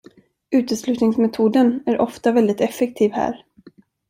Uteslutningsmetoden är ofta väldigt effektiv här.